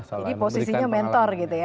jadi posisinya mentor gitu ya